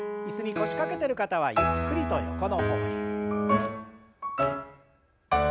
椅子に腰掛けてる方はゆっくりと横の方へ。